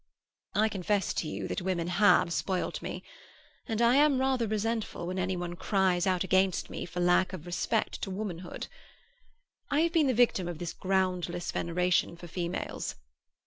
"I confess to you that women have spoilt me. And I am rather resentful when any one cries out against me for lack of respect to womanhood. I have been the victim of this groundless veneration for females.